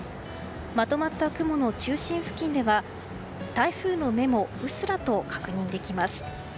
まとまった雲の中心付近では台風の目もうっすらと確認できます。